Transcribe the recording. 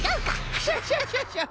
クシャシャシャシャ！